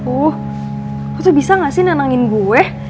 oh kok tuh bisa gak sih nenangin gue